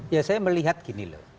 ya saya melihat gini loh